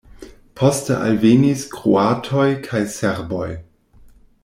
Poste alvenis kroatoj kaj serboj.